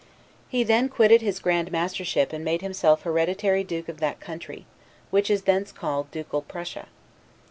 He then quitted his grand mastership and made himself hereditary Duke of that country, which is thence called Ducal Prussia.